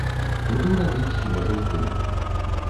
Іду рабіць свежы здымак.